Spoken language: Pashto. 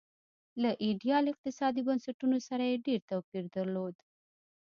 له ایډیال اقتصادي بنسټونو سره یې ډېر توپیر درلود.